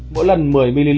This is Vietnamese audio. mỗi lần một mươi ml